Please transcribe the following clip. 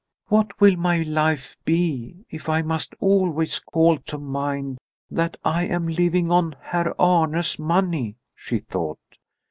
"What will my life be, if I must always call to mind that I am living on Herr Arne's money?" she thought.